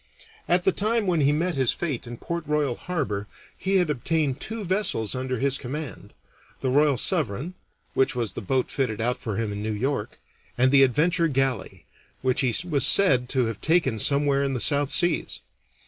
At the time when he met his fate in Port Royal Harbor he had obtained two vessels under his command the Royal Sovereign, which was the boat fitted out for him in New York, and the Adventure galley, which he was said to have taken somewhere in the South Seas.